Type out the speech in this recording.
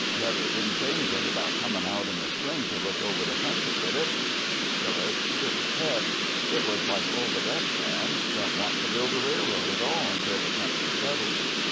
"Letter didn't say anything about coming out in the spring to look over the country, did it?" Hillas shook his head. "It was like all the rest, Dan. Don't want to build a railroad at all until the country's settled."